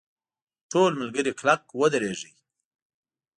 ټول ملګري کلک ودرېږئ!.